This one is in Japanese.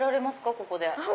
ここで。